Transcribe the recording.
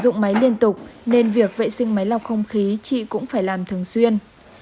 sử dụng máy liên tục nên việc vệ sinh máy lọc không khí chị cũng phải làm thường xuyên